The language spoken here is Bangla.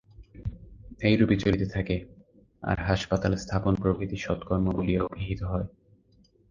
এইরূপই চলিতে থাকে, আর হাসপাতাল-স্থাপন প্রভৃতি সৎ কর্ম বলিয়া অভিহিত হয়।